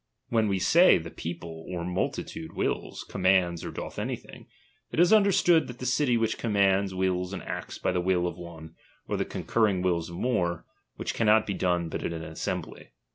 When we say the people or multitude wills, commands, or doth anything, it is understood that the city which commands, wills and acts by tiie will of one, or the concurring wills of more ; which cannot be done but in an assembly.